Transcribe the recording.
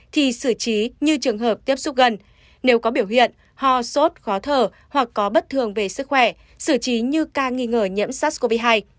thì xử trí như trường hợp tiếp xúc gần nếu có biểu hiện ho sốt khó thở hoặc có bất thường về sức khỏe xử trí như ca nghi ngờ nhiễm sars cov hai